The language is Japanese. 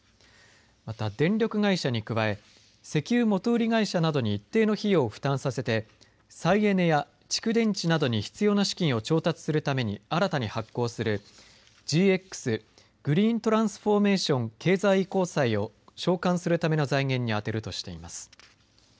また電力会社に加え、石油元売り会社などに一定の費用を負担させて、再エネや蓄電池などに必要な資金を調達するために新たに発行する、ＧＸ・グリーントランスフォーメーション経済移行債を償還するための財源に充てるとしています。